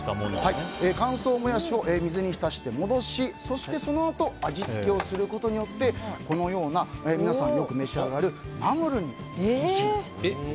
乾燥モヤシを水に浸して、戻しそしてそのあと味付けをすることによって皆さんよく召し上がるナムルに変身すると。